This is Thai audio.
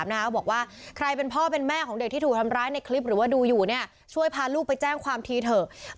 หรือว่าดูอยู่เนี่ยช่วยพาลูกไปแจ้งความทีเถอะ